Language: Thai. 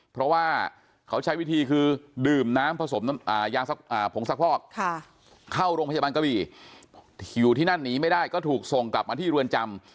เพราะว่าเขาใช้วิธีคือดื่มน้ำผสมผงซักฟอกเข้าโรงพยาบาลกะบี่อยู่ที่นั่นหนีไม่ได้ก็ถูกส่งกลับมาที่เรือนจำ